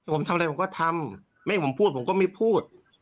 ผมทำอะไรผมก็ทำไม่ให้ผมพูดผมก็ไม่พูด